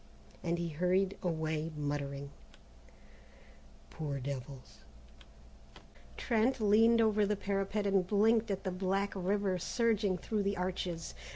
and he hurried away muttering, "Poor devils!" Trent leaned over the parapet and blinked at the black river surging through the arches.